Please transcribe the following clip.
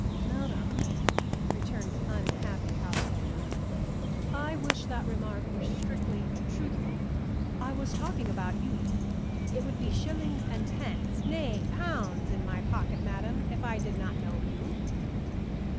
"Madam," returned the unhappy householder, "I wish that remark were strictly truthful. I was talking about you. It would be shillings and pence nay, pounds, in my pocket, madam, if I did not know you."